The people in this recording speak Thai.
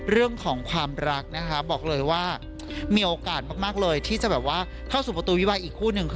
เรื่องของความรักนะคะบอกเลยว่ามีโอกาสมากเลยที่จะแบบว่าเข้าสู่ประตูวิวาอีกคู่หนึ่ง